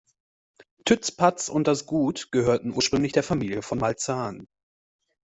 Tützpatz und das Gut gehörten ursprünglich der Familie von Maltzahn.